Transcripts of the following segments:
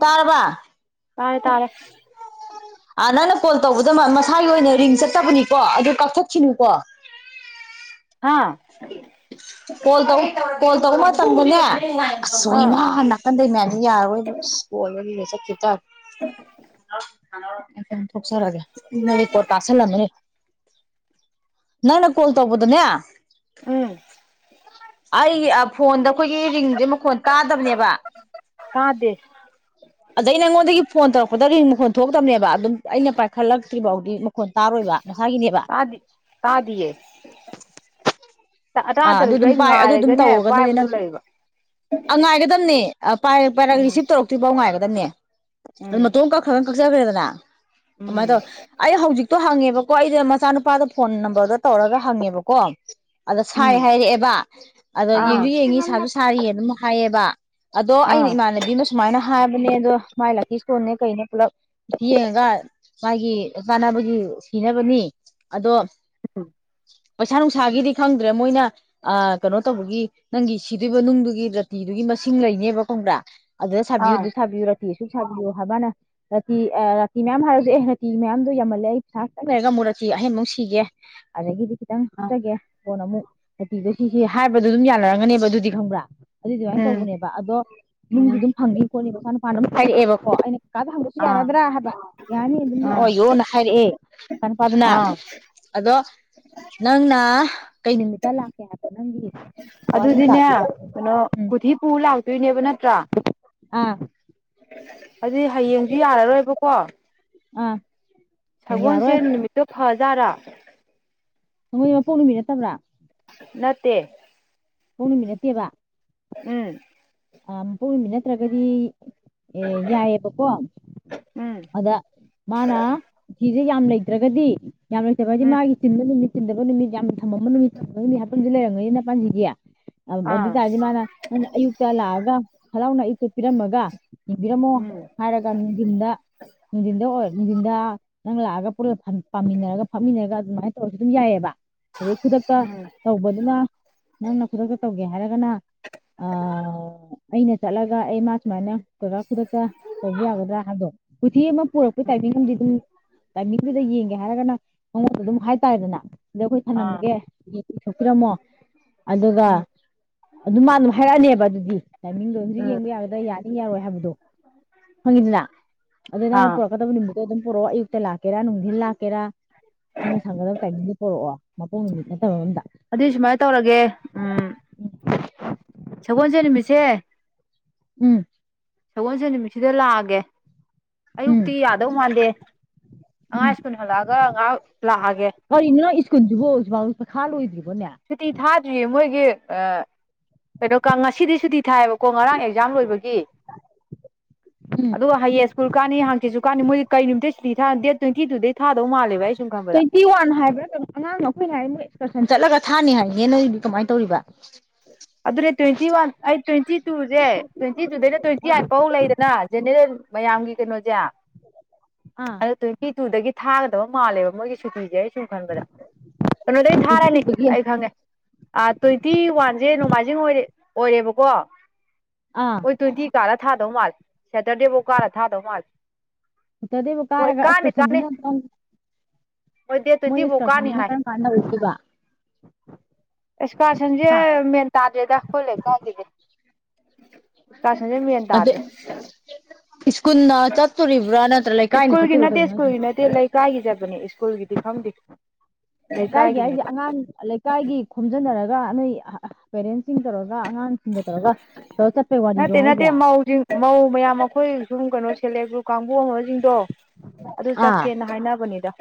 ꯇꯔꯕꯥ ꯇꯥꯔꯦ ꯇꯥꯔꯦ ꯑ ꯅꯪꯅ ꯀꯣꯜ ꯇꯧꯕꯗꯣ ꯃ ꯃꯁꯥꯒꯤ ꯑꯣꯏꯅ ꯔꯤꯡ ꯆꯠꯇꯕꯅꯤꯀꯣ ꯑꯗꯨ ꯀꯛꯊꯠꯈꯤꯅꯨꯀꯣ ꯍꯥꯥ ꯀꯣꯜ ꯇꯧ ꯀꯣꯜ ꯇꯧꯕ ꯃꯇꯝꯗꯅꯦ ꯑꯁ ꯑꯥ ꯑꯣꯏꯃꯥ ꯅꯥꯀꯟꯗꯩ ꯃꯌꯥꯝꯁꯤꯅ ꯌꯥꯔꯔꯣꯏꯕꯨ ꯀꯣꯜ ꯂꯣꯏ [unintelligible] ꯊꯣꯛꯖꯔꯒꯦ ꯑꯤꯃꯩ ꯔꯦꯀꯣꯠ ꯇꯁꯟꯂꯝꯃꯅꯤ ꯅꯪꯅ ꯀꯣꯜ ꯇꯧꯕꯗꯅꯦ ꯎꯝ [unintelligible] ꯐꯣꯟꯗ ꯑꯩꯈꯣꯏꯒꯤ ꯔꯤꯡꯁꯦ ꯃꯈꯣꯟ ꯇꯥꯗꯕꯅꯦꯕ ꯇꯥꯗꯦ ꯑꯗꯩ ꯅꯉꯣꯟꯗꯒꯤ ꯐꯣꯟ ꯇꯧꯔꯛꯄꯗ ꯔꯤꯡ ꯃꯈꯣꯟ ꯊꯣꯛꯇꯕꯅꯦꯕ ꯑꯗꯨꯝ ꯑꯩꯅ ꯄꯥꯏꯈꯠꯂꯛꯇ꯭ꯔꯤꯕꯥꯎꯗꯤ ꯀꯣꯟ ꯇꯥꯔꯣꯏꯕ ꯃꯁꯥꯒꯤꯅꯦꯕ ꯇꯥꯗꯤ ꯇꯥꯗꯤꯌꯦ ꯑꯥ ꯑꯗꯨ ꯇꯥꯗ꯭ꯔꯁꯨ ꯑꯗꯨꯝ ꯑꯩ ꯄꯥꯏ ꯑꯗꯨ ꯑꯗꯨꯝ ꯉꯥꯏꯔꯒꯅꯦ ꯇꯧꯒꯗꯕꯅꯦ ꯄꯥꯏꯕꯗꯣ ꯅꯪ ꯂꯩꯕ ꯑ ꯉꯥꯏꯒꯗꯕꯅꯦ ꯑ ꯄꯥꯏ ꯄꯥꯏꯔꯒ ꯎꯝ ꯔꯤꯁꯤꯞ ꯇꯧꯔꯛꯇ꯭ꯔꯤꯕꯥꯎ ꯉꯥꯏꯒ ꯗꯅꯦ ꯑꯗꯨ ꯎꯝ ꯃꯇꯣꯝꯪ ꯀꯛꯈ꯭ꯔ ꯀꯛ ꯆꯒ꯭ꯔꯦꯗꯅ ꯑꯃꯥꯏ ꯎꯝ ꯇꯧ ꯑꯩ ꯍꯧꯖꯤꯛ ꯇꯣ ꯍꯪꯉꯦꯕꯀꯣ ꯑꯩꯗ ꯃꯆꯥꯅꯨꯄꯥꯗ ꯐꯣꯟ ꯅꯝꯕꯔꯗꯣ ꯇꯧꯔꯒ ꯍꯪꯉꯦꯕꯀꯣ ꯑꯗꯣ ꯁꯥꯏ ꯎꯝ ꯍꯥꯏꯔꯛꯑꯦꯕ ꯑꯗꯣ ꯑꯥ ꯌꯦꯡꯖꯨ ꯌꯦꯡꯉꯤ ꯁꯥꯖꯨ ꯁꯥꯔꯤꯌꯦꯅ ꯑꯗꯨꯝ ꯍꯥꯏꯌꯦꯕ ꯑꯗꯣ ꯑꯩꯅ ꯑꯥ ꯏꯃꯥꯟꯅꯕꯤ ꯑꯃ ꯁꯨꯃꯥꯏꯅ ꯍꯥꯏꯕꯅꯦ ꯑꯗꯣ ꯃꯥꯏ ꯂꯥꯛꯀꯤ ꯁ꯭ꯇꯣꯟꯅꯦ ꯀꯩꯅꯩ ꯄꯨꯂꯞ ꯌꯦꯡꯉꯒ ꯃꯥꯒꯤ ꯆꯥꯟꯅꯕꯒꯤ ꯁꯤꯅꯕꯅꯤ ꯑꯗꯣ ꯎꯝ ꯄꯩꯁꯥ ꯅꯨꯡꯁꯥꯒꯤꯗꯤ ꯈꯪꯗ꯭ꯔꯦ ꯃꯣꯏꯅ ꯑ ꯀꯅꯣ ꯇꯧꯕꯒꯤ ꯅꯪꯒꯤ ꯁꯤꯗꯣꯏꯕ ꯅꯨꯡꯗꯨꯒꯤ ꯔꯥꯇꯤꯗꯨꯒꯤ ꯃꯁꯤꯡ ꯂꯩꯅꯦꯕ ꯈꯪꯕ꯭ꯔꯥ ꯑꯗꯨꯗ ꯁꯥꯕꯤꯌꯨꯗ ꯑꯥ ꯁꯥꯕꯤꯌꯨꯔ ꯔꯥꯇꯤ ꯑꯁꯨꯛ ꯁꯥꯕꯤꯌꯣ ꯍꯥꯏꯕ ꯃꯥꯅ ꯔꯥꯇꯤ ꯑ ꯔꯥꯇꯤ ꯃꯌꯥꯝ ꯍꯥꯏꯔꯖꯨ ꯑꯦ ꯔꯥꯇꯤ ꯃꯌꯥꯝꯗꯣ ꯌꯥꯝꯃꯜꯂꯦ ꯑꯩ ꯄꯩꯁꯥ ꯈꯤꯇꯪ ꯂꯩꯔꯒ ꯑꯃꯨꯛ ꯔꯥꯇꯤ ꯑꯍꯦꯟꯃꯨꯛ ꯁꯤꯒꯦ ꯑꯗꯒꯤꯗꯤ ꯈꯤꯇꯪ ꯍꯥꯞꯆꯒꯦ ꯑꯃꯨꯛ ꯔꯇꯤꯗ ꯁꯤꯁꯤ ꯍꯥꯏꯕꯗꯣ ꯑꯗꯨꯝ ꯌꯥꯅꯔꯝꯒꯅꯦꯕ ꯑꯗꯨꯗꯤ ꯈꯪꯕ꯭ꯔꯥ ꯑꯗꯨꯗꯤ ꯑꯗꯨꯃꯥꯏ ꯎꯝ ꯇꯧꯕꯅꯦꯕ ꯑꯗꯣ ꯅꯨꯡꯖꯤ ꯎꯝ ꯑꯗꯨꯝ ꯐꯪꯅꯤ ꯈꯣꯠꯅꯤ ꯅꯁꯥꯅ ꯃꯥ ꯑꯗꯨꯝ ꯍꯥꯏꯔꯛꯑꯦꯕꯀꯣ ꯑꯩꯅ ꯀꯀꯥꯗ ꯍꯪꯗ꯭ꯔꯁꯨ ꯑꯥ ꯌꯥꯔꯗ꯭ꯔꯥ ꯍꯥꯏꯕ ꯌꯥꯔꯅꯤ ꯑꯗꯨꯝ ꯑꯥ ꯂꯥꯛꯑꯣ ꯌꯣꯅ ꯍꯥꯏꯔꯛꯑꯦ ꯃꯆꯥꯅꯨꯄꯥꯗꯨꯅ ꯑꯥ ꯑꯗꯣ ꯅꯪꯅ ꯀꯩ ꯅꯨꯃꯤꯠꯇ ꯂꯥꯛꯀꯦ ꯍꯥꯏꯕ ꯅꯪꯒꯤ ꯋꯥꯔꯤ ꯑꯗꯨꯗꯤꯅꯦ ꯇꯥꯗꯣꯏꯕ ꯀꯩꯅꯣ ꯎꯝ ꯀꯨꯊꯤ ꯄꯨ ꯂꯥꯛꯇꯣꯏꯅꯦꯕ ꯅꯠꯇ꯭ꯔꯥ ꯑꯥ [inaudible] ꯑꯗꯨꯗꯤ ꯍꯌꯦꯡꯖꯨ ꯌꯥꯔꯔꯣꯏꯕꯀꯣ ꯑ ꯁꯒꯣꯟꯁꯦꯟ ꯅꯨꯃꯤꯠꯇꯣ ꯐ ꯖꯥꯔ ꯃꯣꯏ ꯃꯄꯣꯛ ꯅꯨꯃꯤꯠ ꯅꯠꯇꯕ꯭ꯔꯥ ꯅꯠꯇꯦ ꯄꯣꯛ ꯅꯨꯃꯤꯠ ꯅꯠꯇꯦꯕ ꯎꯝ ꯑ ꯃꯄꯣꯛ ꯅꯨꯃꯤꯠ ꯅꯠꯇ꯭ꯔꯒꯗꯤ ꯑꯦ ꯌꯥꯏꯑꯦꯕꯀꯣ ꯎꯝ ꯑꯗ ꯃꯥꯅ ꯖꯤꯛ ꯌꯥꯝ ꯂꯩꯇ꯭ꯔꯒꯗꯤ ꯌꯥꯝ ꯂꯩꯇꯕ ꯍꯥꯏꯖꯦ ꯎꯝ ꯃꯥꯒꯤ ꯆꯤꯟꯕ ꯅꯨꯃꯤꯠ ꯆꯤꯟꯗꯕ ꯅꯨꯃꯤꯠ ꯌꯥꯝꯅ ꯊꯃꯝꯃꯕ ꯅꯨꯃꯤꯠ [unintelligible] ꯍꯥꯞꯄꯝꯗꯤ ꯂꯩꯔ ꯅꯣꯢ ꯅꯄꯥꯖꯤꯗꯤ ꯑꯥ ꯑꯗꯨ ꯇꯥꯗꯤ ꯃꯥꯅ ꯅꯪꯅ ꯑꯌꯨꯛ ꯂꯥꯛ ꯑꯒ ꯍꯔꯥꯎꯅ ꯑꯌꯨꯛꯇ ꯄꯤꯔꯝꯃꯒ ꯌꯦꯡꯕꯤꯔꯝꯃꯣ ꯎꯝ ꯍꯥꯏꯔꯒ ꯅꯨꯡꯊꯤꯟꯗ ꯅꯨꯡꯊꯤꯟꯗ ꯑꯣꯏꯔ ꯅꯨꯡꯗꯤꯟꯗ ꯅꯪ ꯂꯥꯛ ꯑꯒ ꯄꯨꯂꯞ ꯄꯥꯝꯃꯤꯟ ꯅꯔꯒ ꯐꯝꯃꯤꯟ ꯅꯔꯒ ꯑꯗꯨꯃꯥꯏꯅ ꯇꯧꯔꯁꯨ ꯑꯗꯨꯝ ꯌꯥꯏꯑꯦꯕ ꯑꯗꯩ ꯈꯨꯗꯛꯇ ꯎꯝ ꯇꯧꯕꯗꯨꯅ ꯅꯪꯅ ꯈꯨꯗꯛꯇ ꯇꯧ ꯍꯥꯏꯔꯒꯅ ꯑ ꯑꯩꯅ ꯆꯠꯂꯒ ꯑꯩ ꯃꯥ ꯁꯨꯃꯥꯏꯅ ꯀꯩꯀꯥ ꯈꯨꯗꯛꯇ ꯇꯧꯕ ꯌꯥꯒꯗ꯭ꯔꯥ ꯍꯥꯏꯗꯣ ꯀꯨꯊꯤ ꯌꯦꯡꯕꯝ ꯄꯨꯔꯛꯄꯩ ꯇꯥꯏꯃꯤꯡ ꯑꯃꯗꯤ ꯑꯗꯨꯝ ꯇꯥꯏꯃꯤꯡꯗꯨꯗ ꯌꯦꯉ ꯍꯥꯏꯔꯒꯅ ꯃꯉꯣꯟ ꯑꯗꯨꯝ ꯍꯥꯏ ꯇꯥꯔꯦꯗꯅ ꯑꯗ ꯑꯩꯈꯣꯏ ꯑꯥ ꯊꯝꯂꯝꯃꯒꯦ ꯌꯦꯡꯊꯣꯛ ꯄꯤꯔꯝꯃꯣ ꯑꯗꯨꯒ ꯎꯝ ꯑꯗꯨ ꯃꯥ ꯑꯗꯨꯝ ꯍꯥꯏꯔꯛ ꯑꯅꯦꯕ ꯑꯗꯨꯗꯤ ꯇꯥꯏꯃꯤꯡꯗꯣ ꯍꯧꯖꯤꯛ ꯎꯝ ꯌꯦꯡꯕ ꯌꯥꯒꯗ꯭ꯔ ꯌꯥꯅꯤ ꯌꯥꯔꯣꯏ ꯍꯥꯏꯕꯗꯣ ꯈꯪꯉꯤꯗꯅ ꯑꯗꯨꯗ ꯑꯥ ꯅꯪꯅ ꯄꯨꯔꯛ ꯀꯗꯕ ꯅꯨꯃꯤꯠ ꯑꯗꯨ ꯑꯗꯨꯝ ꯄꯨꯔꯛꯑꯣ ꯑꯌꯨꯛꯇ ꯂꯥꯛꯀꯦꯔꯥ ꯅꯨꯡꯊꯤꯟ ꯂꯥꯛꯀꯦꯔꯥ ꯅꯪꯅ ꯁꯪꯒꯗꯕ ꯇꯥꯏꯃꯤꯡꯗꯨ ꯄꯣꯔꯛꯑꯣ ꯃꯄꯣꯛ ꯅꯨꯃꯤꯠ ꯅꯠꯇꯕ ꯑꯃꯝꯗ ꯑꯗꯨꯏ ꯁꯨꯃꯥꯏꯅ ꯇꯧꯔꯒꯦ ꯎꯝ ꯁꯒꯣꯜꯁꯦꯟ ꯅꯨꯃꯤꯠꯁꯦ ꯎꯝ ꯁꯒꯣꯜꯁꯦꯟ ꯅꯨꯃꯤꯠꯁꯤꯗ ꯂꯥꯛ ꯑꯒꯦ ꯎꯝ ꯑꯌꯨꯛꯇꯤ ꯌꯥꯗꯧ ꯃꯥꯟꯗꯦ ꯑꯉꯥꯡ ꯎꯝ ꯁ꯭ꯀꯨꯜ ꯍꯜꯂꯛꯑꯒ ꯉꯥꯏꯍꯥꯛ ꯂꯥꯛ ꯑꯒꯦ ꯀꯔꯤꯅꯣ ꯅꯪ ꯁ꯭ꯀꯨꯜꯁꯤꯕꯨ ꯍꯨꯖꯤꯛ ꯐꯥꯎ ꯄꯩꯈꯥ ꯂꯣꯏꯗ꯭ꯔꯤ ꯁꯨꯇꯤ ꯊꯥꯗ꯭ꯔꯤꯌꯦ ꯃꯣꯏꯒꯤ ꯑꯥ ꯀꯩꯅꯣ ꯀꯥꯡ ꯉꯁꯤꯗꯤ ꯁꯨꯗꯤ ꯊꯥꯏ ꯌꯦꯕꯀꯣ ꯉꯔꯥꯡ ꯑꯦꯛꯖꯥꯝ ꯂꯣꯏꯕꯒꯤ ꯎꯝ ꯑꯗꯨ ꯍꯩꯌꯦꯡ ꯁ꯭ꯀꯨꯜ ꯀꯥꯅꯤ ꯍꯪꯆꯤꯠꯁꯨ ꯀꯅꯤ ꯃꯣꯏ ꯀꯔꯤ ꯅꯨꯃꯤꯠꯇ ꯁꯨꯇꯤ ꯊꯥ ꯗꯦꯠ ꯇ꯭ꯨꯋꯦꯟꯇꯤ ꯇꯨꯗꯒꯤ ꯊꯥꯗꯧ ꯃꯥꯂꯦꯕ ꯑꯩ ꯁꯨꯝ ꯈꯟꯕꯗ ꯇ꯭ꯨꯋꯦꯟꯇꯤ ꯋꯥꯟ ꯍꯥꯏꯕ꯭ꯔꯥ ꯀꯩꯅꯣ ꯑꯉꯥꯡꯅ ꯑꯩꯈꯣꯏꯅ ꯍꯥꯏ ꯑꯦꯛꯁꯀꯔꯁꯟ ꯆꯠꯂꯒ ꯊꯥꯅꯤ ꯍꯥꯏꯌꯦ ꯅꯦ ꯅꯣꯏꯗꯨꯗꯤ ꯀꯃꯥꯏꯅ ꯇꯧꯔꯤꯕ [inaudible] ꯑꯗꯨꯅꯦ ꯇ꯭ꯨꯋꯦꯟꯇꯤ ꯋꯥꯟ ꯑꯩ ꯇ꯭ꯨꯋꯦꯟꯇꯤ ꯇꯨ ꯁꯦ ꯇ꯭ꯨꯋꯦꯟꯇꯤ ꯇꯨ ꯗꯩꯅ ꯇ꯭ꯨꯋꯦꯟꯇꯤ ꯑꯥ ꯑꯩꯠꯐꯧ ꯂꯩꯗꯅ ꯖꯦꯅꯦꯔꯦꯜ ꯃꯌꯥꯝꯒꯤ ꯀꯩꯅꯣꯁꯦ ꯑꯥ ꯑꯗꯣ ꯇ꯭ꯨꯋꯦꯟꯇꯤ ꯇꯨꯗꯒꯤ ꯊꯥꯒꯗꯕ ꯃꯥꯜꯂꯦꯕ ꯃꯣꯏꯒꯤ ꯁꯨꯇꯤꯁꯦ ꯑꯩ ꯁꯨꯝ ꯈꯟꯕꯗ ꯀꯩꯅꯣꯗꯩ ꯇ꯭ꯋꯦꯟꯇꯤ ꯊꯥꯔꯅꯤ ꯇꯨꯗꯒꯤ ꯑꯩ ꯈꯪꯉꯦ ꯑꯥ ꯇ꯭ꯋꯦꯟꯇꯤ ꯋꯥꯟ ꯏꯦ ꯅꯣꯡꯃꯥꯏꯖꯤꯡ ꯑꯣꯏꯔꯦ ꯑꯣꯏꯔꯦꯕꯀꯣ ꯑꯥ ꯑꯣꯏ ꯇꯣꯏꯟꯇꯤ ꯀꯥꯔ ꯊꯥꯗꯧ ꯃꯥꯜꯂꯦ ꯁꯦꯇꯔꯗꯦꯕꯧ ꯀꯥꯔ ꯊꯥꯗꯧ ꯃꯥꯜꯂꯦ ꯁꯦꯇꯔꯗꯦꯕꯧ ꯃꯣꯏ ꯀꯥꯔꯒ ꯀꯥꯅꯤ ꯑꯦꯁꯀꯔꯁꯟ ꯀꯥꯅꯤ ꯁꯤꯅ ꯀꯝ ꯗꯦꯠ ꯃꯣꯏ ꯇ꯭ꯋꯦꯟꯇꯤꯐꯧ ꯀꯥꯅꯤ ꯑꯦꯁꯀꯔꯁꯟꯖꯤꯅ ꯍꯥꯏ ꯀꯔꯝ ꯀꯥꯟ ꯇꯧꯔꯛꯇꯣꯢꯕ ꯑꯦꯛꯁꯀꯥꯔꯁꯟꯖꯦ ꯃꯦꯟ ꯇꯥꯗꯦꯗꯥ ꯈꯣꯏ ꯂꯩꯀꯥꯎꯖꯤꯗꯤ ꯏꯁꯀꯥꯔꯁꯟꯖꯦ ꯃꯦꯟꯇꯗ꯭ꯔꯦ ꯏꯁ꯭ꯀꯨꯜꯅ ꯆꯠꯇꯣꯔꯤꯕ꯭ꯔꯥ ꯅꯠꯇ꯭ꯔ ꯂꯩꯀꯥꯏꯅ ꯁ꯭ꯀꯨꯜꯒꯤ ꯆꯠꯇꯣꯔꯤꯕꯥ ꯅꯠꯇꯦ ꯀꯩꯅꯣ ꯁ꯭ꯀꯨꯜꯒꯤ ꯅꯠꯇꯦ ꯍꯥꯢꯖꯤꯕꯣ ꯂꯩꯀꯥꯏꯒꯤ ꯆꯠꯄꯅꯦ ꯁ꯭ꯀꯨꯜꯒꯤꯗꯤ ꯈꯪꯗꯦ ꯂꯩꯀꯥꯏꯒꯤ ꯍꯥꯏꯁꯦ ꯂꯩꯀꯥꯏꯒꯤꯅꯦꯕ ꯑꯉꯥꯡ ꯂꯩꯀꯥꯏꯒꯤ ꯈꯣꯝꯖꯟꯅꯔ ꯒ ꯅꯣꯢ ꯑꯍ ꯑꯍ ꯄꯦꯔꯦꯟꯁꯁꯤꯡ ꯇꯧꯔꯒ ꯑꯉꯥꯡꯁꯤꯡꯒ ꯇꯧꯔꯒ ꯀꯩꯅꯣ ꯆꯠꯄꯩ ꯅꯠꯇꯦ ꯋꯥꯔꯤꯔꯣ ꯅꯠꯇꯦ ꯍꯥꯏꯁꯦ ꯁꯦꯂꯦꯞ ꯒ꯭ꯔꯨꯞ ꯀꯥꯡꯕꯨ ꯍꯧꯔꯁꯤꯡꯗꯣ ꯑꯗꯨ ꯑꯥ ꯆꯠꯁꯦꯅ ꯍꯥꯏꯅꯕꯅꯤꯗ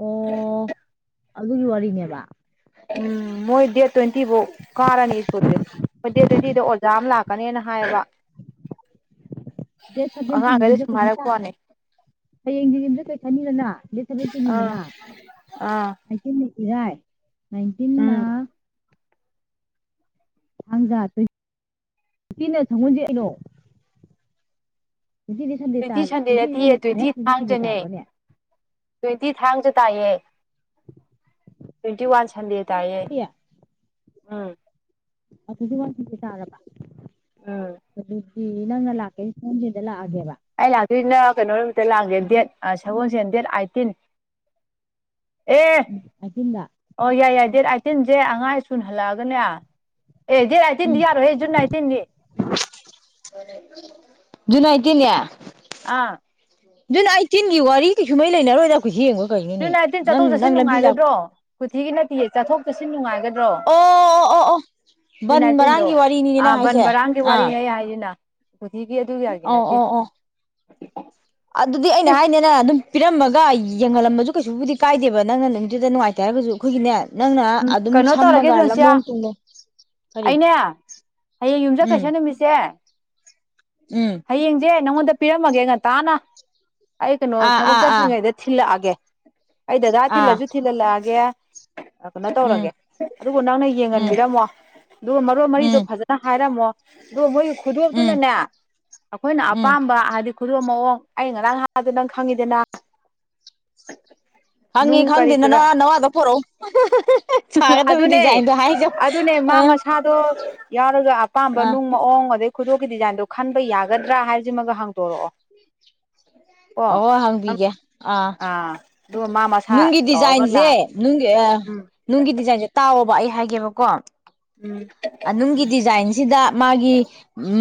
ꯑꯣ ꯑꯗꯨꯒꯤ ꯋꯥꯔꯤꯅꯦꯕ ꯎꯝ ꯃꯣꯏ ꯗꯦꯠ ꯇ꯭ꯋꯦꯟꯇꯤ ꯕꯧ ꯀꯥꯔꯅꯤ ꯁ꯭ꯀꯨꯜꯁꯦ ꯈꯣꯢ ꯗꯦꯠ ꯇ꯭ꯋꯦꯟꯇꯤꯗ ꯑꯣꯖ ꯖꯥ ꯑꯝ ꯂꯥꯛꯀꯅꯤꯅ ꯍꯥꯏꯌꯦꯕ ꯗꯦꯠ ꯑꯉꯥꯡꯈꯩꯗ ꯁꯚꯦꯟꯇꯤꯟꯖꯤꯗ ꯁꯨꯝ ꯄꯩꯁꯥ ꯇꯥ ꯍꯥꯏꯔꯛꯄ ꯋꯥꯅꯤ ꯍꯌꯦꯡꯁꯦ ꯌꯨꯝꯁꯀꯩꯁꯅꯤꯗꯅ ꯗꯦꯠ ꯁꯚꯦꯟꯇꯤꯟꯅꯤꯗꯅ ꯑꯥ ꯑꯩꯇꯤꯟꯅꯤ ꯏꯔꯥꯢ ꯅꯥꯢꯟꯇꯤꯟꯅ ꯎꯝ ꯊꯥꯡꯖꯥ ꯇꯣꯢꯟꯇꯤꯅ ꯁꯒꯣꯜꯁꯦꯟ ꯀꯩꯅꯣ ꯇꯣꯢꯟꯇꯤꯗꯤ ꯁꯟꯗꯦ ꯇꯥ ꯇ꯭ꯋꯦꯟꯇꯤ ꯇꯣꯢꯟꯇꯤꯗꯤ ꯁꯟꯗꯦ ꯅꯠꯇꯤꯌꯦ ꯑꯦ ꯇ꯭ꯋꯦꯟꯇꯤ ꯇꯣꯢꯟꯇꯤꯗꯤ ꯁꯟꯗꯦ ꯊꯥꯡꯖꯅꯦ ꯇꯥꯕ꯭ꯔꯣꯅꯦ ꯇ꯭ꯋꯦꯟꯇꯤ ꯊꯥꯡꯖꯥ ꯇꯥꯢꯌꯦ [inaudible] ꯇ꯭ꯋꯦꯟꯇꯤꯋꯥꯟ ꯁꯟꯗꯦ ꯇꯥꯌꯦ ꯎꯝ [unintelligible] ꯇꯥꯔꯕ ꯎꯝ ꯅꯪꯅ ꯂꯥꯛꯀꯅꯤ ꯁꯪꯒꯣꯜ ꯁꯦꯟꯗ ꯂꯥꯛ ꯑ [unintelligible] ꯁꯤꯅ ꯀꯩꯅꯣ ꯁꯤꯗ ꯂꯥꯛꯑꯒꯦ ꯗꯦꯠ ꯁꯒꯣꯜꯁꯦꯟ ꯗꯦꯠ ꯑꯥꯏꯠꯇꯤꯟ ꯑꯦ ꯎꯝ ꯑꯥꯏꯇꯤꯟꯗ ꯑꯣ ꯌꯥꯏ ꯌꯥꯏ ꯗꯦꯠ ꯑꯥꯏꯠ ꯑꯩꯇꯤꯟꯁꯦ ꯑꯉꯥꯡ ꯁ꯭ꯀꯨꯜ ꯍꯜꯂꯛꯑꯒꯅꯦ ꯑꯦ ꯗꯦꯠ ꯎꯝ ꯑꯩꯇꯤꯟꯗꯤ ꯌꯥꯔꯣꯏ ꯖꯨꯟ ꯑꯥꯏꯠꯇꯤꯟꯅꯤ [unintelligible] ꯑꯥ ꯖꯨꯟ ꯑꯩꯇꯤꯟꯒꯤ ꯋꯥꯔꯤ ꯀꯩꯁꯨ ꯃꯔꯤ ꯂꯩꯅꯔꯣꯏꯗ ꯀꯨꯊꯤ ꯌꯦꯡ ꯕꯕꯨ ꯖꯨꯟ ꯑꯩꯇꯤꯟ ꯆꯠꯊꯣꯛ ꯆꯠꯁꯤꯟ ꯅꯨꯡꯉꯥꯏꯒꯗ꯭ꯔꯣ ꯀꯨꯊꯤꯒꯤ ꯅꯠꯇꯤꯌꯦ ꯆꯠꯊꯣꯛ ꯆꯠꯁꯤꯟ ꯅꯨꯡꯉꯥꯏꯒ ꯗꯣ ꯑꯣ ꯑꯣ ꯑꯣ ꯑꯣ ꯕꯟ ꯖꯨꯟ ꯑꯩꯏꯠꯇꯤꯟꯗꯣ ꯕꯔꯥꯡꯒꯤ ꯋꯥꯔꯤꯅꯤꯅꯦ ꯑꯥ ꯅꯪ ꯕꯟ ꯕꯔꯥꯡꯒꯤ ꯋꯥꯔꯤ ꯑꯩꯅ ꯍꯥꯏꯁꯤꯅ ꯀꯨꯊꯤꯒꯤ ꯑꯗꯨꯒꯤ ꯍꯥꯏꯕ ꯑꯧ ꯅꯠꯇꯦ ꯑꯣ ꯑꯣ ꯑꯗꯨꯗꯤ ꯑꯩꯅ ꯑꯩꯁ ꯍꯥꯏꯅꯦ ꯅꯪ ꯑꯗꯨꯝ ꯄꯤꯔꯝꯃꯒ ꯌꯦꯡꯍꯜꯂꯝꯕꯁꯨ ꯀꯩꯁꯨꯕꯨꯗꯤ ꯀꯥꯏꯗꯦꯕ ꯅꯪꯅ ꯅꯨꯃꯤꯗꯨꯨꯗ ꯅꯨꯡꯉꯥꯏ ꯇꯔꯒꯁꯨ ꯑꯩꯈꯣꯏꯒꯤꯅꯦ ꯅꯪꯅ ꯎꯝ ꯑꯗꯨꯝ ꯀꯩꯅꯣ ꯇꯧꯔꯒꯦ ꯁꯝꯃꯒ ꯖꯣꯟꯁꯤꯌꯥ ꯂꯝꯂꯣꯡ ꯇꯨꯡꯂꯣꯡ ꯀꯔꯤ ꯑꯩꯅꯦ ꯍꯌꯦꯡ ꯎꯝ ꯌꯨꯝꯁꯥꯀꯩꯁꯥ ꯅꯨꯃꯤꯠꯁꯦ ꯎꯝ ꯍꯌꯦꯡꯖꯦ ꯅꯪꯉꯣꯟꯗ ꯄꯤꯔꯝꯃꯒꯦ ꯉꯟꯇꯥꯅ ꯑꯩ ꯀꯩꯅꯣ ꯑꯥ ꯊꯕꯛ ꯑꯥ ꯑꯥ ꯆꯥꯠꯇ꯭ꯔꯤꯉꯩꯗ ꯊꯤꯜꯂꯛ ꯑꯒꯦ ꯑꯩ ꯗꯗꯥ ꯑꯥ ꯊꯤꯜꯂꯁꯨ ꯊꯤꯜꯍꯜꯂꯛꯑꯒꯦ ꯐꯖꯅ ꯇꯧꯔꯒꯦ ꯎꯝ ꯑꯗꯨꯕꯨ ꯅꯪꯅ ꯎꯝ ꯌꯦꯡꯍꯟꯕꯤꯔꯝꯃꯣ ꯑꯗꯨꯒ ꯃꯔꯣꯜ ꯃꯔꯤꯗꯣ ꯎꯝ ꯐꯖꯅ ꯍꯥꯏꯔꯝꯃꯣ ꯗꯣ ꯃꯣꯏ ꯈꯨꯗꯣꯞ ꯎꯝ ꯇꯨꯅꯅꯦ ꯑꯩꯈꯣꯏꯅ ꯎꯝ ꯑꯄꯥꯝꯕ ꯍꯥꯏꯗꯤ ꯈꯨꯗꯣꯞ ꯃꯑꯣꯡ ꯑꯩ ꯉꯔꯥꯡ ꯍꯥꯏꯕꯗꯣ ꯅꯪ ꯈꯪꯉꯤꯗꯅ ꯈꯪꯉꯤ ꯅꯨꯡ ꯈꯪꯗꯦ ꯀꯔꯤ ꯀꯔꯥ ꯅꯅꯋ ꯅꯋꯥꯗꯣ ꯄꯣꯔꯛꯎ ꯁꯥꯒꯗꯕ ꯑꯗꯨꯅꯦ ꯗꯤꯖꯥꯏꯟꯗꯣ ꯍꯥꯏꯖꯧ ꯑꯗꯨꯅꯦ ꯃꯥ ꯑ ꯃꯁꯥꯗꯣ ꯌꯥꯠ ꯑꯗꯨꯒ ꯑꯄꯥꯝꯕ ꯑ ꯅꯨꯡ ꯃꯑꯣꯡ ꯑꯗꯩ ꯈꯨꯗꯣꯞꯀꯤ ꯗꯤꯖꯥꯏꯟꯗꯣ ꯈꯟꯕ ꯌꯥꯒꯗ꯭ꯔ ꯍꯥꯏꯁꯤꯃꯒ ꯍꯪꯗꯣꯔꯛꯑꯣ ꯑꯣ ꯍꯪꯕꯤꯒꯦ ꯑꯥ ꯑꯗꯨꯒ ꯃꯥ ꯃꯁꯥ ꯅꯨꯡꯒꯤ ꯇꯧꯔꯒ ꯗꯤꯖꯥꯏꯟꯖꯦ ꯂꯥꯛꯑꯒꯦ ꯅꯨꯡꯒꯤ ꯑꯌꯥ ꯎꯝ ꯅꯨꯡꯒꯤ ꯗꯤꯖꯥꯏꯟꯁꯦ ꯇꯥꯎꯑꯣꯕ ꯑꯩꯩꯅ ꯍꯥꯏꯒꯦꯕꯀꯣ ꯎꯝ ꯑꯅꯨꯡꯒꯤ ꯗꯤꯖꯥꯏꯟꯁꯤꯗ ꯃꯥꯒꯤ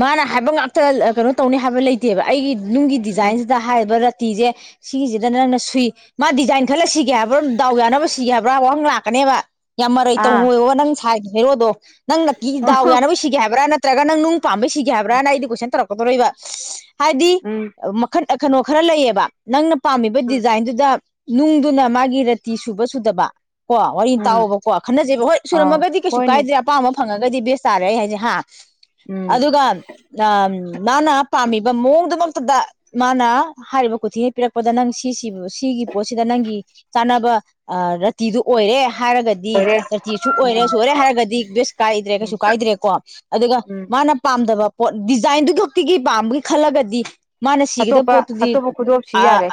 ꯃꯥꯅ ꯍꯥꯏꯕ ꯉꯥꯛꯇꯅ ꯀꯩꯅꯣ ꯇꯧꯅꯤ ꯍꯥꯏꯕ ꯂꯩꯇꯦꯕ ꯑꯩꯒꯤ ꯅꯨꯡꯒꯤ ꯎꯝ ꯗꯤꯖꯥꯏꯟꯁꯤꯗ ꯍꯥꯏꯔꯤꯕ ꯇꯤꯁꯦ ꯁꯤꯒꯤꯁꯤꯗ ꯅꯪꯅ ꯁꯨꯏ ꯃꯥ ꯗꯤꯖꯥꯏꯟ ꯈꯜꯂ ꯁꯤꯒꯦ ꯍꯥꯏꯕ꯭ꯔꯥ ꯗꯥꯎ ꯌꯥꯅꯕ ꯁꯤꯒ ꯍꯥꯏꯕ꯭ꯔꯥ ꯋꯥꯍꯪ ꯂꯥꯛ ꯐꯅꯦꯕ ꯌꯥꯝ ꯃꯔꯩ ꯑꯥ ꯇꯧꯅꯣꯌꯣ ꯅꯪ ꯁꯥꯏ ꯍꯦꯔꯣꯗꯣ ꯅꯪꯅ ꯀꯤ ꯗꯥꯎ ꯌꯥꯅꯕ ꯁꯤꯒꯦ ꯍꯥꯏꯕ꯭ꯔꯥ ꯅ ꯇ꯭ꯔꯒ ꯅꯪ ꯅꯨꯡ ꯄꯥꯃꯕꯩ ꯁꯤꯒꯦ ꯍꯥꯏꯕ꯭ꯔꯅ ꯑꯩꯗꯤ ꯀꯣꯏꯁꯟ ꯇꯧꯔꯛ ꯥꯇꯧꯔꯛꯏꯕ ꯍꯥꯏꯗꯤ ꯎꯝ ꯃꯈꯜ ꯀꯩꯅꯣ ꯈꯔ ꯂꯩꯌꯦꯕ ꯅꯪꯅ ꯄꯥꯝꯃꯤꯕ ꯗꯤꯖꯥꯏꯟꯗꯨꯗ ꯅꯨꯡꯗꯨꯅ ꯃꯥꯒꯤ ꯔꯦꯇꯤ ꯁꯨꯕ ꯁꯨꯗꯕ ꯀꯣ ꯋꯥꯔꯤ ꯎꯝ ꯇꯥꯎꯕꯀꯣ ꯈꯟꯅꯖꯦꯕ ꯍꯣꯏ ꯑꯥꯎ ꯁꯨꯔꯝꯃꯒꯗꯤ ꯀꯩꯁꯨ ꯍꯣꯏꯅꯦ ꯀꯥꯏꯗ꯭ꯔꯦ ꯑꯄꯥꯝꯕ ꯐꯪꯉꯒꯗꯤ ꯕꯦꯁ ꯇꯥꯔꯦ ꯑꯩ ꯍꯥꯏꯁꯦ ꯍꯥ ꯎꯝ ꯑꯗꯨꯒ ꯑ ꯃꯥꯅ ꯄꯥꯝꯃꯤꯕ ꯃꯑꯣꯡꯗꯨꯃꯛꯇꯗ ꯃꯥꯅ ꯍꯥꯏꯔꯤꯕ ꯈꯨꯊꯤꯅ ꯄꯤꯔꯛꯄꯗ ꯅꯪ ꯁꯤꯁꯤꯕ ꯁꯤꯒꯤ ꯑ ꯔꯥꯇꯤꯗꯨ ꯑꯣꯏꯔꯦ ꯍꯥꯏꯔꯒꯗꯤ ꯑꯣꯏꯔꯦ ꯔꯦꯇꯤꯁꯨ ꯑꯣꯏꯔꯦ ꯑꯥ ꯁꯨ ꯑꯣꯏꯔꯦ ꯍꯥꯏꯔꯒꯗꯤ ꯕꯦꯁ ꯀꯥꯏꯗ꯭ꯔꯦ ꯀꯩꯁꯨ ꯎꯝ ꯀꯥꯏꯗ꯭ꯔꯦꯀꯣ ꯑꯗꯨꯒ ꯎꯝ ꯃꯥꯅ ꯄꯥꯝꯗꯕ ꯄꯣꯠ ꯗꯤꯖꯥꯏꯟꯗꯨ ꯈꯛꯇꯤꯒꯤ ꯄꯥꯝꯕꯒꯤ ꯈꯜꯂꯒꯗꯤ ꯃꯥꯅ ꯁꯤꯒꯗꯕ ꯑꯇꯣꯞꯄ ꯄꯣꯠꯇꯨꯗꯤ ꯑꯇꯣꯞꯄ ꯈꯨꯗꯣꯞꯁꯤ ꯑ ꯌꯥꯔꯦ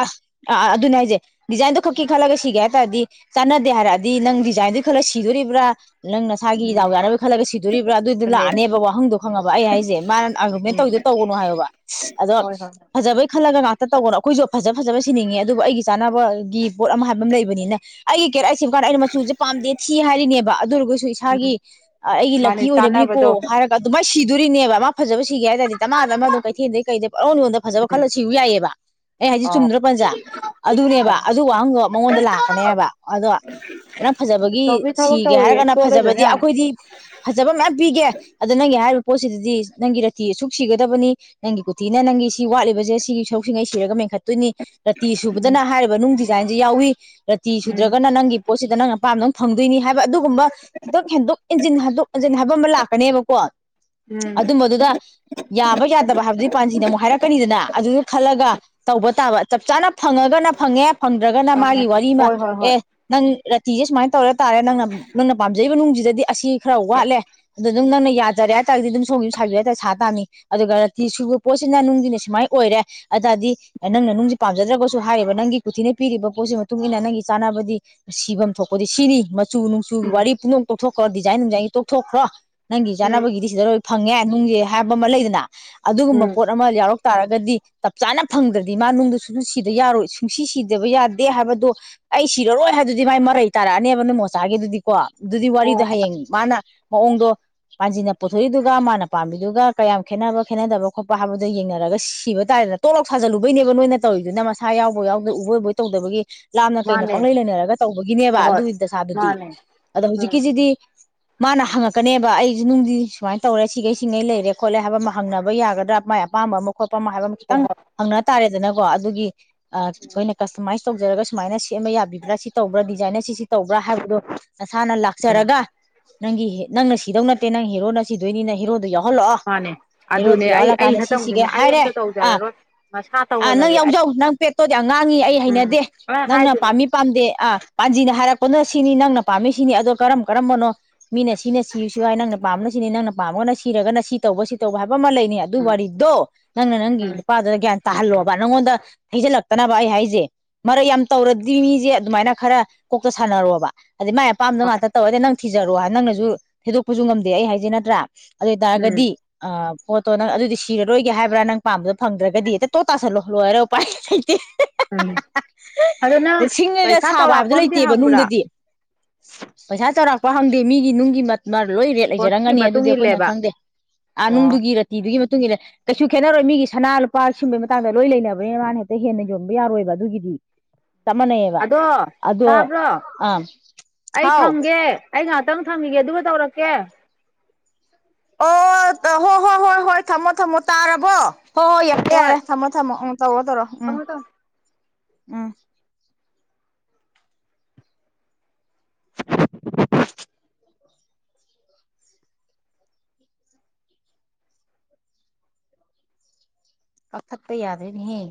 ꯑ ꯑ ꯑꯗꯨꯅꯦ ꯍꯥꯏꯖꯦ ꯗꯤꯖꯥꯏꯟꯗꯣ ꯈꯛꯤ ꯈꯜ ꯂꯒ ꯁꯤ ꯇꯩ ꯍꯥꯏ ꯇꯔꯗꯤ ꯆꯥꯟꯅꯗꯦ ꯍꯥꯏꯔꯛꯑꯗꯤ ꯅꯪ ꯗꯤꯖꯥꯏꯟꯗꯨ ꯈꯜꯂꯒ ꯁꯤꯗꯣꯔꯤꯕ꯭ꯔꯥ ꯅꯪ ꯅꯁꯥꯒꯤ ꯎꯝ ꯗꯥꯎ ꯌꯥꯅꯕꯩ ꯈꯜꯂꯒ ꯁꯤꯗꯣꯔꯤꯕ꯭ꯔꯥ ꯑꯗꯨꯏꯗꯣ ꯑꯗꯨꯅꯦ ꯂꯥꯛꯑꯅꯦꯕ ꯋꯥꯍꯪꯗꯣ ꯈꯪꯉꯕ ꯑꯩ ꯍꯥꯏꯁꯦ ꯃꯥꯅ ꯑꯥꯔꯒꯨꯃꯦꯟ ꯎꯝ ꯇꯧꯗꯣ ꯇꯧꯒꯅꯨ ꯍꯥꯏꯌꯣꯕ ꯑꯗꯣ ꯍꯣꯏ ꯍꯣꯏ ꯐꯖꯕꯩ ꯈꯜꯂꯒ ꯉꯥꯛꯇ ꯇꯧꯒꯅꯣ ꯑꯩꯈꯣꯏꯁꯨ ꯐꯖ ꯐꯖ ꯁꯤꯅꯤꯡꯉꯦ ꯑꯗꯨꯕꯨ ꯑꯩꯒꯤ ꯆꯥꯅꯕꯒꯤ ꯄꯣꯠ ꯑꯃ ꯍꯥꯏꯕ ꯑꯃ ꯂꯩꯕꯅꯤꯅ ꯑꯩ ꯁꯦꯝ ꯀꯥꯟꯗ ꯑꯩꯅ ꯃꯆꯨꯁꯦ ꯄꯥꯝꯗꯦ ꯊꯤ ꯍꯥꯏꯔꯤꯅꯦꯕ ꯑꯗꯨ ꯑꯣꯏꯔꯒꯁꯨ ꯎꯝ ꯏꯁꯥꯒꯤ ꯑꯩꯒꯤ ꯃꯥꯅꯦ ꯂꯛꯀꯤ ꯑꯣꯏꯅꯕꯅꯤꯀꯣ ꯆꯥꯟꯅꯕꯗꯣ ꯍꯥꯏꯔꯒ ꯑꯗꯨꯃꯥꯏꯅ ꯁꯤ ꯗꯨꯔꯤꯅꯦꯕ ꯃꯥ ꯐꯖꯕ ꯁꯤꯒꯦ ꯍꯥꯏ ꯇꯥꯔꯗꯤ ꯗꯃꯥ ꯗꯃꯥ ꯑꯗꯨꯝ ꯀꯩꯊꯦꯜꯗꯒꯤ ꯀꯩꯗꯩ ꯄꯪꯌꯣꯟ ꯌꯣꯟꯗꯅ ꯐꯖꯕ ꯎꯝ ꯈꯜꯂ ꯁꯤꯎ ꯌꯥꯏꯑꯦꯕ ꯑꯩ ꯍꯥꯏꯁꯤ ꯑꯥꯎ ꯆꯨꯝꯗ꯭ꯔꯣ ꯖꯥ ꯑꯗꯨꯅꯦꯕ ꯑꯗꯨ ꯋꯥꯍꯪꯗꯣ ꯃꯉꯣꯟꯗ ꯂꯥꯛꯀꯅꯦ ꯍꯥꯏꯕ ꯑꯗꯣ ꯅꯪ ꯐꯖꯕꯒꯤ ꯇꯧꯕꯤ ꯊꯕꯛ ꯁꯤꯒꯦ ꯇꯧꯔꯤꯌꯦ ꯍꯥꯏꯔꯒꯅ ꯇꯣꯠꯂꯖꯅꯨ ꯐꯖꯕꯗꯤ ꯌꯥꯅꯤ ꯑꯩꯈꯣꯏꯗꯤ ꯐꯖꯕ ꯃꯌꯥꯝ ꯄꯤꯒꯦ ꯑꯗꯣ ꯅꯪꯒꯤ ꯍꯥꯏꯔꯤꯕ ꯄꯣꯠꯁꯤꯗꯗꯤ ꯅꯪꯒꯤ ꯔꯇꯤ ꯇꯤ ꯑꯁꯨꯛ ꯁꯤꯒꯗꯕꯅꯤ ꯅꯪꯒꯤ ꯀꯨꯊꯤꯅ ꯅꯪꯒꯤ ꯁꯤ ꯋꯥꯠꯂꯤꯕꯖꯦ ꯁꯤꯒꯤ ꯁꯔꯨꯛꯁꯤꯡꯉꯩ ꯁꯤꯔꯒ ꯃꯦꯟꯈꯠꯇꯣꯏꯅꯤ ꯔꯇꯤ ꯎꯝ ꯁꯨꯕꯗꯨꯅ ꯍꯥꯏꯔꯤꯕ ꯅꯨꯡꯗꯤ ꯗꯤꯖꯥꯏꯟꯖꯦ ꯌꯥꯎꯏ ꯔꯇꯤ ꯎꯝ ꯁꯨꯗ꯭ꯔꯒꯅ ꯅꯪꯒꯤ ꯄꯣꯠꯁꯤꯗ ꯅꯪ ꯑꯄꯥꯝꯗ ꯐꯪꯗꯣꯏꯅꯤ ꯍꯥꯏ ꯑꯗꯨꯒꯨꯝꯕ ꯈꯤꯇꯪ ꯍꯦꯟꯗꯣꯛ ꯍꯟꯖꯤꯟ ꯍꯟꯗꯣꯛ ꯍꯟꯖꯤꯟ ꯍꯥꯏꯕ ꯑꯃ ꯂꯥꯛ ꯀꯅꯦꯕꯀꯣ ꯎꯝ ꯑꯗꯨꯝꯕꯗꯨꯗ ꯌꯥꯕ ꯌꯥꯗꯕ ꯍꯥꯏꯕꯗꯨꯒꯤ ꯄꯥꯟꯖꯤꯅ ꯑꯃꯨꯛ ꯍꯥꯏꯔꯛꯀꯅꯤꯗꯅ ꯑꯗꯨꯗ ꯈꯜꯂꯒ ꯇꯧꯕ ꯇꯥꯕ ꯆꯞ ꯆꯥꯅ ꯐꯪꯉꯒꯅ ꯐꯪꯉꯦ ꯐꯪꯗ꯭ꯔꯒꯅ ꯈꯪꯉꯦ ꯃꯥꯒꯤ ꯋꯥꯔꯤꯃ ꯍꯣꯏ ꯍꯣꯏ ꯍꯣꯏ ꯑꯦ ꯅꯪ ꯔ ꯇꯤꯖꯦ ꯁꯨꯃꯥꯏ ꯇꯧꯔ ꯇꯥꯔꯦ ꯅꯪꯅ ꯅꯪꯅ ꯄꯥꯝꯖꯩꯕ ꯅꯨꯡꯖꯤ ꯗꯗꯤ ꯑꯁꯤ ꯈꯔ ꯋꯥꯠꯂꯦ ꯑꯗ ꯑꯗꯨꯝ ꯅꯪꯅ ꯌꯥꯖꯔꯦ ꯍꯥꯏꯇꯥꯥꯔꯒꯗꯤ ꯑꯗꯨꯝ ꯁꯣꯝ ꯒꯤꯖꯨ ꯁꯥꯕꯤꯔꯣ ꯍꯥꯏꯇꯥꯥꯔꯦ ꯁꯥ ꯇꯥꯝꯃꯤ ꯑꯗꯨꯒ ꯔꯥꯇꯤ ꯁꯨꯕ ꯄꯣꯠꯁꯤꯅ ꯅꯨꯡꯖꯤꯅꯦ ꯁꯨꯃꯥꯏꯅ ꯑꯣꯏꯔꯦ ꯑꯗꯨꯇꯥꯔꯗꯤ ꯅꯪꯅ ꯅꯨꯡꯖꯤ ꯄꯥꯝꯖꯗ꯭ꯔꯒꯁꯨ ꯍꯥꯏꯔꯤꯕ ꯅꯪꯒꯤ ꯀꯨꯊꯤꯅ ꯄꯤꯔꯤꯕ ꯄꯣꯠꯁꯤ ꯃꯇꯨꯡꯏꯟꯅ ꯅꯪꯒꯤ ꯆꯥꯅꯕꯗꯤ ꯁꯤꯚꯝ ꯊꯣꯛꯄꯗꯤ ꯁꯤꯅꯤ ꯆꯨ ꯅꯨ ꯆꯨ ꯋꯥꯔꯤ ꯄꯨꯃꯛ ꯇꯣꯛꯊꯣꯛ ꯍꯣ ꯗꯤꯖꯥꯏꯟ ꯅꯨꯡꯖꯥꯏꯟꯒꯤ ꯇꯣꯛꯊꯣꯛꯈ꯭ꯔꯣ ꯅꯪꯒꯤ ꯎꯝ ꯆꯥꯟꯅꯕꯒꯤꯗꯤ ꯁꯤꯗ ꯂꯣꯏ ꯐꯪꯉꯦ ꯅꯨꯡꯉꯦ ꯍꯥꯏꯕ ꯑꯃ ꯂꯩꯗꯅ ꯑꯗꯨꯒꯨꯝꯕ ꯎꯝ ꯄꯣꯠ ꯑꯃ ꯌꯥꯎꯔꯛ ꯇꯥꯔꯒꯗꯤ ꯆꯞ ꯆꯥꯅ ꯐꯪꯗ꯭ꯔꯗꯤ ꯃꯥ ꯅꯨꯡꯗꯨꯁꯨ ꯗꯨ ꯁꯤꯗ ꯌꯥꯔꯣꯏ ꯁꯨꯡꯁꯤ ꯁꯤꯗꯕ ꯌꯥꯗꯦ ꯍꯥꯏꯕꯗꯣ ꯑꯩ ꯁꯤꯔꯔꯣꯏ ꯍꯥꯏꯗꯨꯗꯤ ꯃꯥ ꯃꯔꯩ ꯇꯥꯔꯛꯑꯅꯤꯕ ꯅꯣꯏ ꯃꯣꯆꯥꯒꯤꯗꯨꯗꯤꯀꯣ ꯑꯗꯨꯗꯤ ꯍꯣ ꯋꯥꯔꯤꯗꯣ ꯍꯣꯏ ꯍꯌꯦꯡ ꯃꯥꯅ ꯃꯑꯣꯡꯗꯣ ꯄꯥꯟꯖꯤꯅ ꯄꯨꯊꯣꯛꯏꯗꯨꯒ ꯃꯥꯅ ꯄꯥꯝꯃꯤꯗꯨꯒ ꯀꯌꯥꯝ ꯈꯦꯠꯅꯕ ꯈꯦꯠꯅꯗꯕ ꯈꯣꯠꯄ ꯍꯥꯏꯕꯗꯣ ꯌꯦꯡꯅꯔꯒ ꯁꯤꯕ ꯇꯥꯔꯦꯅ ꯇꯣꯛ ꯂꯥꯎ ꯁꯥꯖꯜꯂꯨꯕꯩꯅꯦꯕ ꯅꯣꯏꯅ ꯇꯣꯏꯗꯨꯅ ꯃꯁꯥ ꯌꯥꯎꯕꯣꯢ ꯌꯥꯎꯗ ꯎꯕꯣꯏ ꯎꯗꯕꯣꯏ ꯇꯧꯗꯕꯒꯤ ꯂꯥꯞꯅ ꯀꯩꯅ ꯃꯥꯅꯦ ꯄꯪꯂꯩ ꯂꯩꯅꯔꯒ ꯇꯧꯕꯒꯤꯅꯦꯕ ꯍꯣꯏ ꯑꯗꯨꯒꯤ ꯗꯁꯥꯗꯨꯗꯤ ꯃꯥꯅꯦ ꯎꯝ ꯑꯗꯣ ꯍꯧꯖꯤꯛꯀꯤꯖꯤꯗꯤ ꯃꯥꯅ ꯍꯪꯉꯛꯀꯅꯦꯕ ꯑꯩꯖꯨ ꯅꯨꯡꯗꯤ ꯁꯨꯃꯥꯏꯅ ꯇꯧꯔꯦ ꯁꯤꯒꯩ ꯁꯤꯡꯉꯩ ꯂꯩꯔꯦ ꯈꯣꯠꯂꯦ ꯍꯥꯏꯕ ꯑꯃ ꯍꯪꯅꯕ ꯌꯥꯒꯗ꯭ꯔꯥ ꯃꯥꯏ ꯑꯄꯥꯝꯕ ꯑꯃ ꯈꯣꯠ ꯄꯃ ꯍꯥꯏꯕ ꯑꯃ ꯍꯣꯏ ꯈꯤꯇꯪ ꯍꯣꯏ ꯍꯪꯅ ꯇꯥꯔꯦ ꯖꯅꯕ ꯀꯣ ꯑꯗꯨꯒꯤ ꯑ ꯀꯣꯏꯅ ꯀꯁꯇꯃꯥꯏꯁ ꯇꯧꯖꯔꯒ ꯁꯨꯃꯥꯏꯅ ꯁꯦꯝꯕ ꯌꯥꯕꯤꯕ꯭ꯔꯥ ꯁꯤ ꯇꯧꯕ꯭ꯔꯥ ꯗꯤꯖꯥꯏꯟꯅ ꯁꯤꯁꯤ ꯇꯧꯕ꯭ꯔꯥ ꯍꯥꯏꯕꯗꯣ ꯅꯁꯥꯅ ꯎꯝ ꯂꯥꯛꯆꯔꯒ ꯅꯪꯒꯤ ꯍꯦ ꯅꯪꯅ ꯁꯤꯗꯧ ꯅꯠꯇꯦ ꯅꯪ ꯍꯦꯔꯣꯅ ꯁꯤꯗꯣꯏꯅꯤꯅ ꯍꯤꯔꯣ ꯃꯥꯅꯦ ꯑꯗꯨꯅꯦ ꯑꯩ ꯑꯩ ꯁꯤ ꯍꯟꯇꯃꯨꯛꯗꯤ ꯁꯤꯒꯦ ꯅꯦ ꯑꯩ ꯍꯥꯏꯔꯦ ꯑꯝꯇ ꯑꯥ ꯇꯧꯖꯔꯔꯣꯏ ꯃꯁꯥ ꯇꯧ ꯑꯥ ꯅꯪ ꯌꯥꯎꯖꯧ ꯅꯪ ꯄꯦꯠꯇꯣꯠ ꯌꯥꯝ ꯉꯥꯡꯉꯤ ꯑꯩ ꯍꯩꯅꯗꯦ ꯎꯝ ꯑ ꯅꯪꯅ ꯍꯥꯏꯗꯨꯅꯦ ꯄꯥꯝꯃꯤ ꯄꯥꯝꯗꯦ ꯑꯥ ꯄꯥꯟꯖꯤꯅ ꯍꯥꯏꯔꯛ ꯄꯨꯟꯅ ꯁꯤꯅꯤ ꯅꯪꯅ ꯄꯥꯝꯃꯤꯁꯤꯅꯤ ꯑꯗꯣ ꯀꯔꯝ ꯀꯔꯝꯕꯅꯣ ꯃꯤꯅ ꯁꯤꯅ ꯁꯤꯁꯨꯔ ꯍꯥꯏ ꯅꯪꯅ ꯄꯥꯝꯕꯅ ꯁꯤꯅꯤ ꯅꯪꯅ ꯄꯥꯝꯃꯒꯅ ꯁꯤꯔꯒꯅ ꯁꯤ ꯇꯧꯕ ꯁꯤ ꯇꯧꯕ ꯍꯥꯏꯕ ꯕ ꯑꯃ ꯂꯩꯅꯦ ꯑꯗꯨ ꯎꯝ ꯋꯥꯔꯤꯗꯣ ꯅꯪꯅ ꯅꯪꯒꯤ ꯎꯝ ꯅꯨꯄꯥꯗꯨꯗ ꯒ꯭ꯌꯥꯟ ꯇꯥꯍꯜꯂꯣ ꯕꯥ ꯅꯪꯉꯣꯟꯗ ꯊꯩꯖꯤꯜꯂꯛꯇꯅꯕ ꯑꯩ ꯍꯥꯏꯁꯦ ꯃꯔꯩ ꯌꯥꯝ ꯇꯧꯔꯗꯤ ꯃꯤꯖꯦ ꯑꯗꯨꯃꯥꯏꯅ ꯈꯔ ꯀꯣꯛꯇꯣ ꯁꯥꯟꯅꯔꯣꯕ ꯑꯗꯩ ꯃꯥꯏ ꯑꯄꯥꯝꯕꯗꯣ ꯉꯥꯛꯇ ꯇꯧꯔꯗꯤ ꯅꯪ ꯊꯤꯖꯔꯣ ꯍ ꯅꯪꯅꯁꯨ ꯊꯩꯗꯣꯛꯄꯁꯨ ꯉꯝꯗꯦ ꯑꯩ ꯍꯥꯏꯖꯦ ꯅꯠꯇ꯭ꯔꯥ ꯑꯗꯨꯏ ꯎꯝ ꯇꯥꯔꯒꯗꯤ ꯑ ꯄꯣꯠꯇꯣ ꯅꯪ ꯑꯗꯨꯗꯤ ꯁꯤꯔꯔꯣꯏꯒꯦ ꯍꯥꯏꯕ꯭ꯔꯥ ꯅꯪ ꯄꯥꯝꯕꯗꯣ ꯐꯪꯗ꯭ꯔꯒꯗꯤꯅ ꯍꯦꯛꯇ ꯇꯨꯠ ꯇꯁꯜꯂꯣ ꯂꯣꯏꯔꯦ ꯎꯄꯥꯏ ꯂꯩꯇꯦ ꯎꯝ ꯑꯗꯨ ꯅꯪ ꯁꯤꯡꯉꯒ ꯄꯩꯁꯥ ꯁꯥꯕ ꯍꯥꯏꯕꯗꯣ ꯆꯥꯎꯔꯥꯛꯄ ꯑꯝꯗꯤ ꯂꯩꯇꯦꯕ ꯍꯪꯕ꯭ꯔꯥ ꯅꯨꯡꯗꯗꯤ ꯄꯩꯁꯥ ꯆꯥꯎꯔꯥꯛꯄ ꯍꯪꯗꯦ ꯃꯤꯒꯤ ꯅꯨꯡꯒꯤ ꯃꯠ ꯃꯥ ꯂꯣꯏ ꯔꯦꯠ ꯐꯣꯟꯒꯤ ꯂꯩꯖꯔꯝꯒꯅꯤ ꯃꯇꯨꯡ ꯑꯗꯨꯗꯤ ꯑꯩꯈꯣꯏꯅ ꯏꯜꯂꯦꯕ ꯈꯪꯗꯦ ꯑꯥ ꯑꯣ ꯅꯨꯡꯗꯨꯒꯤ ꯔꯥꯇꯤꯗꯨꯒꯤ ꯃꯇꯨꯡ ꯏꯟꯂꯦ ꯀꯩꯁꯨ ꯈꯦꯠꯅꯔꯣꯏ ꯃꯤꯒꯤ ꯁꯅꯥ ꯂꯨꯄꯥ ꯁꯨꯝꯕꯩ ꯃ ꯍꯀꯥꯡꯗ ꯂꯣꯏ ꯂꯩꯅꯕꯅꯤꯅ ꯃꯥꯅ ꯍꯦꯛꯇ ꯍꯦꯟꯅ ꯌꯣꯟꯕ ꯌꯥꯔꯣꯏꯕ ꯑꯗꯨꯒꯤꯗꯤ ꯆꯞ ꯃꯥꯟꯅꯩꯑꯕ ꯑꯗꯣ ꯑꯗꯣ ꯇꯥꯕ꯭ꯔꯣ ꯑꯥ ꯑꯩ ꯍꯥꯎ ꯊꯝꯒꯦ ꯑꯩ ꯉꯥꯛꯇ ꯇꯪ ꯊꯝꯈꯤꯒꯦ ꯑꯗꯨꯒ ꯇꯧꯔꯛꯀꯦ ꯑꯣ ꯇ ꯍꯣ ꯍꯣꯏ ꯍꯣꯏ ꯍꯣꯏ ꯊꯝꯃꯣ ꯊꯝꯃꯣ ꯇꯥꯔꯕꯣ ꯍꯣꯏ ꯍꯣꯏ ꯌꯥꯛꯀꯦ ꯌꯥꯔꯦ ꯊꯝꯃꯣ ꯊꯝꯃꯣ ꯎꯝ ꯇꯧꯔꯣ ꯇꯧꯔꯣ ꯎꯝ ꯊꯝꯃꯣ ꯊꯝꯃꯣ ꯎꯝ ꯀꯛꯊꯠꯄ ꯌꯥꯗꯔꯦꯅꯦꯍꯦ